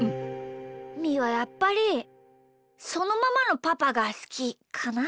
みーはやっぱりそのままのパパがすきかな。